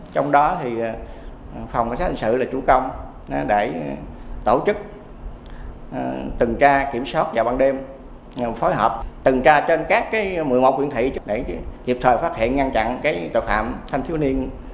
tổ chức tần tra kiểm soát vào ban đêm phối hợp tần tra trên các một mươi một quyển thị để hiệp thời phát hiện ngăn chặn tội phạm thanh thiếu niên